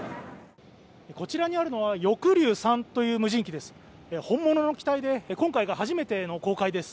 こちらにあるのは翼竜３という無人機です。